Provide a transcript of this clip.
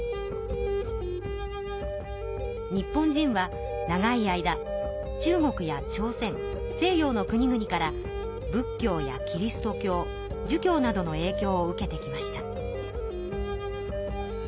日本人は長い間中国や朝鮮西洋の国々から仏教やキリスト教儒教などのえいきょうを受けてきました。